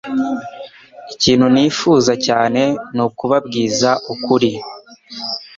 ikintu nifuza cyane nuku babwiza ukuri